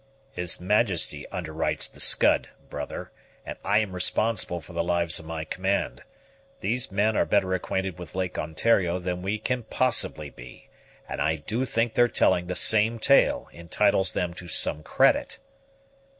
"His Majesty underwrites the Scud, brother, and I am responsible for the lives of my command. These men are better acquainted with Lake Ontario than we can possibly be, and I do think their telling the same tale entitles them to some credit."